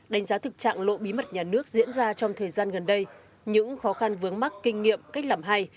đánh giá thực trạng lộ bí mật nhà nước diễn ra trong thời gian gần đây những khó khăn vướng mắt kinh nghiệm cách làm hay